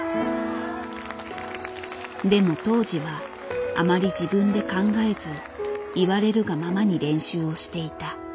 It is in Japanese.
でも当時はあまり自分で考えず言われるがままに練習をしていた。